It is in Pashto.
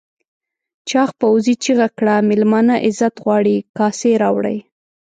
چاغ پوځي چیغه کړه مېلمانه عزت غواړي کاسې راوړئ.